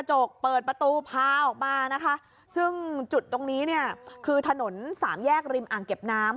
เปิดประตูพาออกมานะคะซึ่งจุดตรงนี้เนี่ยคือถนนสามแยกริมอ่างเก็บน้ำ